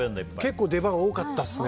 結構、出番多かったですね